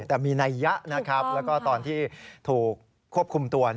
แต่มีนัยยะนะครับแล้วก็ตอนที่ถูกควบคุมตัว